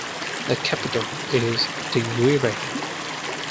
The capital is Dinguiraye.